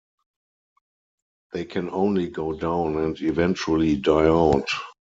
They can only go down, and eventually die out.